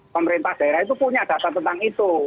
pemerintah daerah itu punya data tentang itu